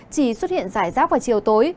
chỉ xuất hiện giải rác vào chiều tối